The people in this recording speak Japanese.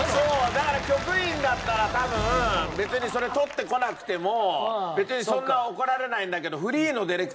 だから局員だったら多分別にそれ撮ってこなくても別にそんな怒られないんだけど。